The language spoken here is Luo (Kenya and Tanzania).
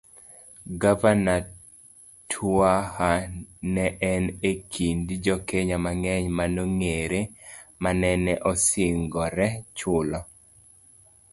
Gavana Twaha ne en e kind jokenya mang'eny manong'ere manene osingore chulo